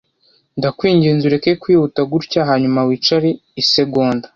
Ndakwinginze ureke kwihuta gutya hanyuma wicare isegonda